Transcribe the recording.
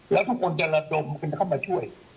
แล้วทุกคนจะระดมกันเข้ามาช่วย